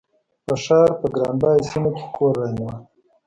په ښار په ګران بیه سیمه کې کور رانیوه.